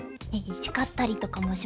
叱ったりとかもしますか？